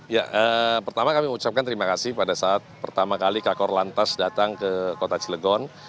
ya pertama kami mengucapkan terima kasih pada saat pertama kali kakor lantas datang ke kota cilegon